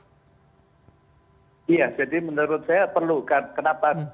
iya jadi menurut saya perlukan kenapa